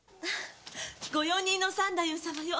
ご用人の三太夫様よ。